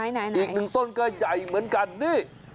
อีกหนึ่งต้นก็ใหญ่เหมือนกันนี่